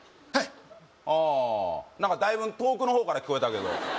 はいああ何かだいぶん遠くの方から聞こえたけど